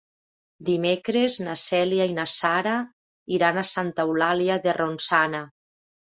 Dimecres na Cèlia i na Sara iran a Santa Eulàlia de Ronçana.